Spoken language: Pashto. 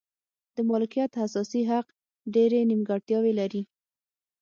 د مالکیت اساسي حق ډېرې نیمګړتیاوې لري.